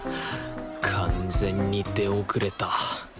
完全に出遅れた。